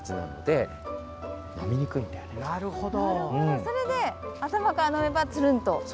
それで、頭からのめばつるんと。